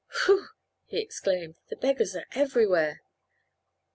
"Phew!" he exclaimed, "the beggars are everywhere."